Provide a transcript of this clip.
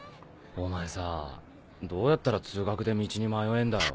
お前さどうやったら通学で道に迷えんだよ？